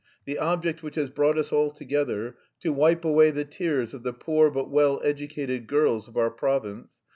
the object which has brought us all together... to wipe away the tears of the poor but well educated girls of our province...